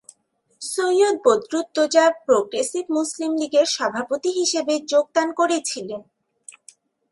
Syed Badruddoza progressive Muslim লীগের সভাপতি হিসাবে যোগদান করেছিলেন।